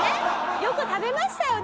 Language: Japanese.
よく食べましたよね